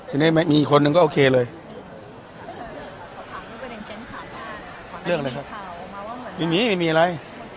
ทีนี้มีคนหนึ่งก็โอเคเลยขอถามเรื่องอะไรครับมีมีมีอะไร